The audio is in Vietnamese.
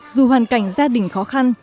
dù hoàn cảnh gia đình khó khăn